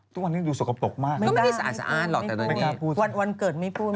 ทุกวันนี้ดูสกปรกมากไม่กล้าพูดวันวันเกิดไม่พูด